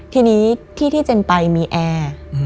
ทีนี้ที่ที่เจนไปมีแอร์